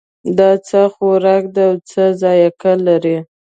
دا څه خوراک ده او څه ذائقه لري